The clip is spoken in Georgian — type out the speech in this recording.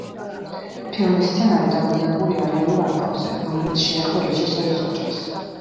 ფილმის სცენარი დაფუძნებულია რეალურ ამბავზე, რომელიც შეეხო რეჟისორის ოჯახს.